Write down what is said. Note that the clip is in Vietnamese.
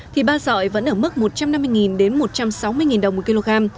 thì ba dọi vẫn ở mức một trăm năm mươi đến một trăm sáu mươi đồng một kg